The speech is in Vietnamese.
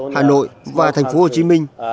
hà nội và thành phố hồ chí minh